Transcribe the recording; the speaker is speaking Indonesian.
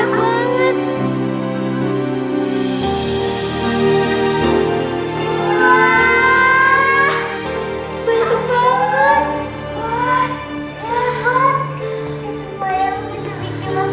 wah banyak banget